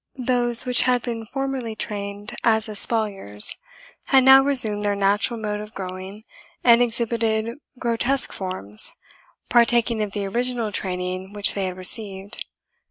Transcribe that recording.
Those which had been formerly trained as espaliers had now resumed their natural mode of growing, and exhibited grotesque forms, partaking of the original training which they had received.